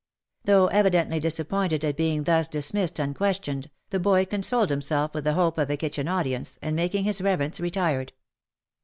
Though evidently disappointed at being thus dismissed unquestioned, the boy consoled himself with the hope of a kitchen audience, and making his reverence, retired.